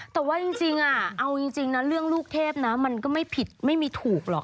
แต่ว่าจริงเอาจริงนะเรื่องลูกเทพนะมันก็ไม่ผิดไม่มีถูกหรอก